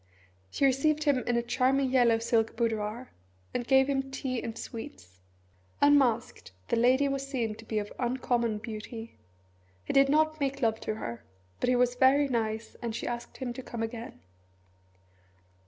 She received him in a charming yellow silk boudoir and gave him tea and sweets. Unmasked, the lady was seen to be of uncommon beauty. He did not make love to her but he was very nice, and she asked him to come again.